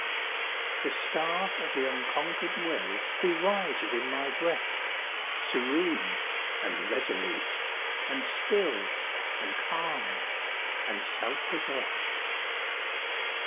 The star of the unconquered will, He rises in my breast, Serene, and resolute, and still, And calm, and self possessed.